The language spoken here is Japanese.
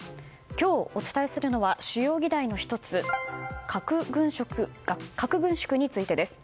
今日お伝えするのは主要議題の一つ核軍縮についてです。